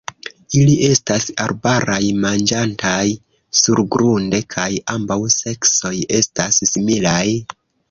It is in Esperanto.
Ili estas arbaraj, manĝantaj surgrunde, kaj ambaŭ seksoj estas similaj.